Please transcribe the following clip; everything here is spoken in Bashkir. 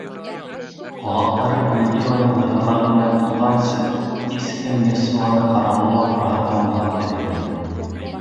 Ҡолаҡтары Бульдеоның лығырлағы менән тулғансы, һис кем Мессуаны ҡарауыллау тураһында уйлап та бирмәй.